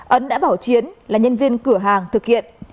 ấn đã bảo chiến là nhân viên cửa hàng thực hiện